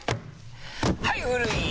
はい古い！